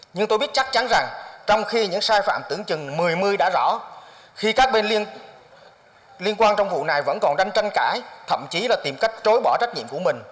nhưng tôi biết chắc chắn rằng trong khi những sai phạm tưởng chừng một mươi đã rõ khi các bên liên quan trong vụ này vẫn còn đang tranh cãi thậm chí là tìm cách trốn bỏ trách nhiệm của mình